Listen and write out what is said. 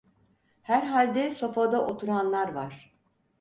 Herhalde sofada oturanlar var!